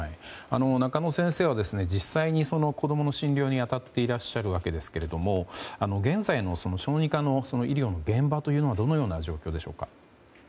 中野先生は実際に子供の診療に当たっていらっしゃるわけですが現在の小児科の医療の現場というのはどのような状況でしょうか？